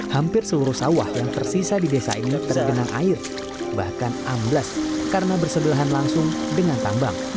hampir seluruh sawah yang tersisa di desa ini tergenang air bahkan amblas karena bersebelahan langsung dengan tambang